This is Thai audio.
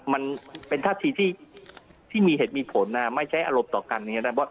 มันเป็นท่าทีที่มีเหตุมีผลนะไม่ใช้อารมณ์ต่อกันอย่างนี้ได้